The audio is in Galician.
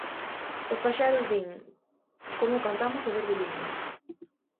Os paxaros din: Como cantamos o verde liño.